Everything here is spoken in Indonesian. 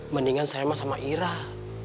mendingan saya sama irah